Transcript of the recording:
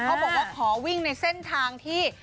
บอกว่าขอวิ่งในเส้นทางที่